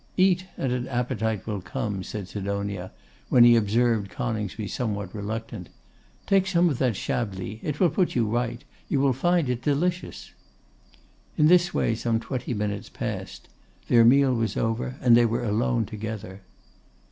'Eat, and an appetite will come,' said Sidonia, when he observed Coningsby somewhat reluctant. 'Take some of that Chablis: it will put you right; you will find it delicious.' In this way some twenty minutes passed; their meal was over, and they were alone together.